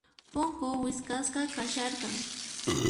Punku wisq'asqa kasharqan.